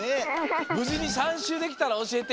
ぶじに３しゅうできたらおしえて。